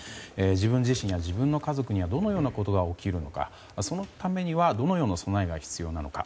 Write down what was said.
自分自身や自分の家族にはどのようなことが起こるのかそのためにはどのような備えが必要なのか。